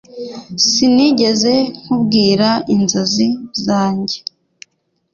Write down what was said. Sinigeze nkubwira inzozi zanjye